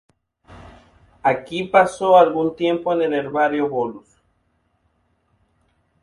Aquí pasó algún tiempo en el Herbario Bolus.